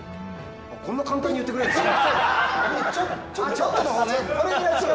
こんな簡単に言ってくれるんですか。